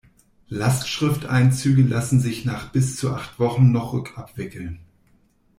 Lastschrifteinzüge lassen sich nach bis zu acht Wochen noch rückabwickeln.